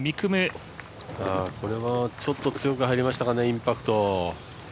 これはちょっと強く入りましたかね、インパクト。